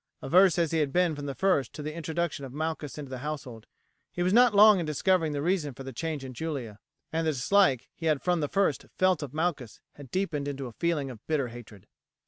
Averse as he had been from the first to the introduction of Malchus into the household, he was not long in discovering the reason for the change in Julia, and the dislike he had from the first felt of Malchus had deepened to a feeling of bitter hatred.